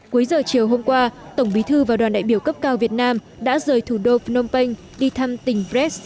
cuối giờ chiều hôm qua tổng bí thư và đoàn đại biểu cấp cao việt nam đã rời thủ đô phnom penh đi thăm tỉnh brex